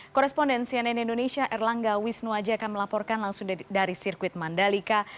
korespondensi ann indonesia erlangga wisnuaja akan melaporkan langsung dari sirkuit mandalika